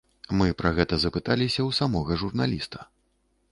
Мы пра гэта запыталіся ў самога журналіста.